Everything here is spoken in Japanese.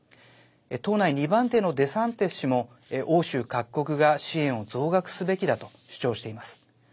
党内２番手のデサンティス氏も欧州各国が支援を増額すべきだと主張しています。